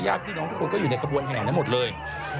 ญาติพี่น้องทุกคนก็อยู่ในกระบวนแห่งนั้นหมดเลย